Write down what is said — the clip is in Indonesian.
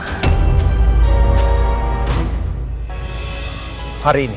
aku udah tau kalau ternyata